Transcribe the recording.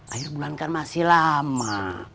akhir bulan kan masih lama